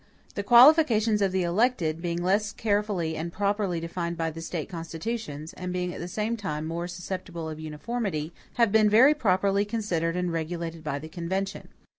The qualifications of the elected, being less carefully and properly defined by the State constitutions, and being at the same time more susceptible of uniformity, have been very properly considered and regulated by the convention.